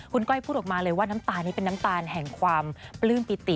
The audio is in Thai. คุณก้อยพูดออกมาเลยว่าน้ำตาลนี้เป็นน้ำตาลแห่งความปลื้มปิติ